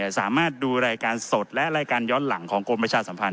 สามารถดูรายการสดและรายการย้อนหลังของกรมประชาสัมพันธ